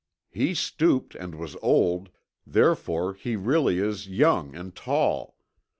He stooped and was old, therefore he really is young and tall.